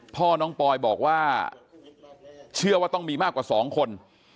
พ่อน้องปอยบอกว่าเชื่อว่าต้องมีมากกว่า๒คน